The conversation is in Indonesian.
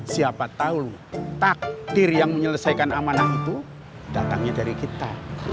siapa tahu takdir yang menyelesaikan amanah itu datangnya dari kita